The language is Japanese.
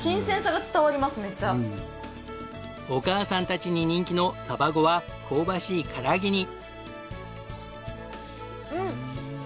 お母さんたちに人気のサバゴは香ばしい唐揚げに。